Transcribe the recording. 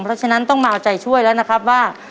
เพราะฉะนั้นต้องมาเอาใจช่วยแล้วนะครับว่า